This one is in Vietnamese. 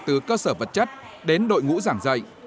từ cơ sở vật chất đến đội ngũ giảng dạy